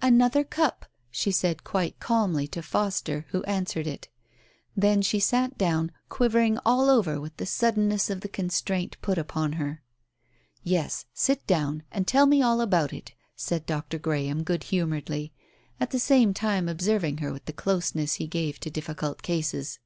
"Another cup," she said quite calmly to Foster, who answered it. Then she sat down quivering all over with the suddenness of the constraint put upon her. "Yes, sit down and tell me all about it," said Dr. Graham good humouredly, at the same time observing her with the closeness he gave to difficult cases.